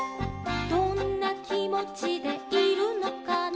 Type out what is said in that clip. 「どんなきもちでいるのかな」